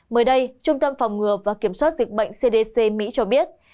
mới đây trung tâm phòng ngừa và kiểm soát dịch bệnh cdc mỹ cho biết